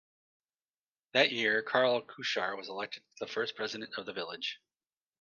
That year, Karl Kuchar was elected the first President of the village.